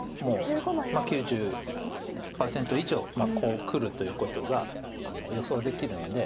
９０％以上こうくるということが予想できるので。